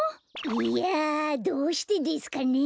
いやどうしてですかね？